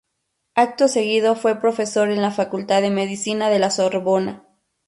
Acto seguido fue profesor en la Facultad de Medicina de la Sorbona.